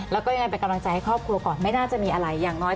ให้กำลังใจค่อบครัวก่อนไม่น่าจะมีอะไรอย่างน้อย